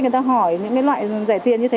người ta hỏi những loại rẻ tiền như thế